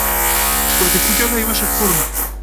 Спроти куќата имаше фурна.